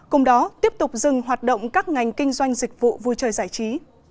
cùng đó tiếp tục dừng hoạt động các ngành kinh doanh dịch vụ vui chơi giải trí